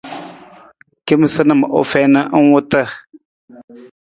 Kemasanam u fiin ng wuta.